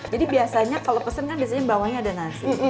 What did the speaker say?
jadi biasanya kalau pesen kan biasanya bawahnya ada nasi